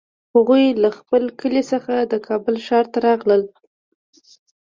هغوی له خپل کلي څخه د کابل ښار ته راغلل